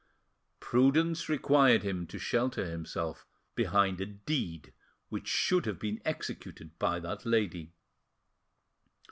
Prudence required him to shelter himself behind a deed which should have been executed by that lady.